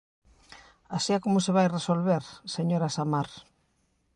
Así é como se vai resolver, señora Samar.